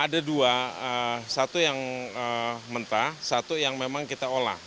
ada dua satu yang mentah satu yang memang kita olah